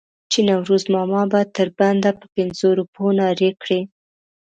چې نوروز ماما به تر بنده په پنځو روپو نارې کړې.